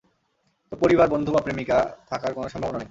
তো পরিবার, বন্ধু বা প্রেমিকা থাকার কোনো সম্ভাবনা নেই।